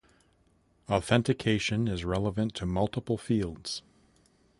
Authentication is relevant to multiple fields.